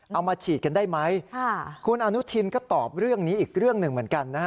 เอามาฉีดกันได้ไหมคุณอนุทินก็ตอบเรื่องนี้อีกเรื่องหนึ่งเหมือนกันนะฮะ